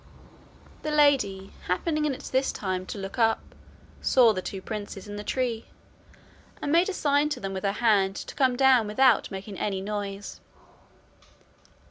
The lady happening at this time to look up, saw the two princes in the tree, and made a sign to them with her hand to come down without making any noise.